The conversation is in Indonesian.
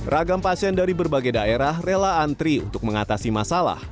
ragam pasien dari berbagai daerah rela antri untuk mengatasi masalah